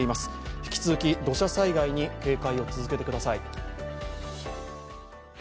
引き続き土砂災害に警戒を続けてください。